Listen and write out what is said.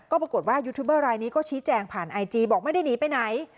ก็ปรากฏว่ายูทูบเบอร์รายนี้ก็ชี้แจงผ่านไอจีบอกไม่ได้หนีไปไหน